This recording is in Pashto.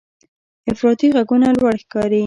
افراطي غږونه لوړ ښکاري.